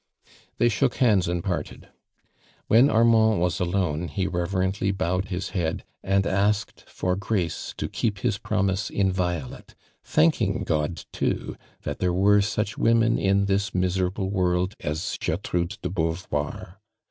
They shook hands and parted. When Aimand was alone ho i overently bowed his head and asked for grace to keep his promise inviolate, thanking God, too, that there were Buoh women in this miserable world as Ger trude de Beauvoir.